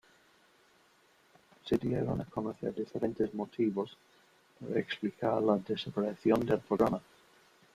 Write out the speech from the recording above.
Se dieron a conocer diferentes motivos para explicar la desaparición del programa.